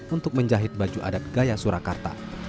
untuk menjahit baju adat gaya surakarta